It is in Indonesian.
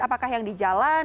apakah yang di jalan